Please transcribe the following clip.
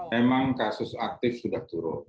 memang kasus aktif sudah turun